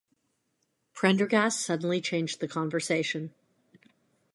Prendergast suddenly changed the conversation.